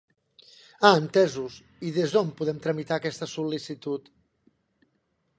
Ah entesos, i des d'on podem tramitar aquesta sol·licitud?